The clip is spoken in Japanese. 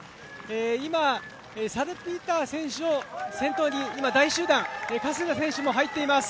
今、サルピーター選手を先頭に今、大集団、加世田選手も入っています。